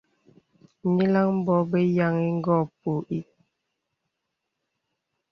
Nīləŋ bǒ bə laŋhi gô pô itə.